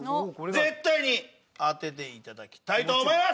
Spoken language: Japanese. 絶対に当てて頂きたいと思います。